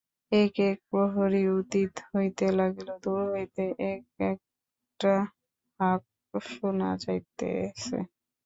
এক এক প্রহর অতীত হইতে লাগিল, দুর হইতে এক একটা হাঁক শুনা যাইতেছে।